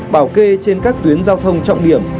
bảo kê trên các tuyến giao thông trọng điểm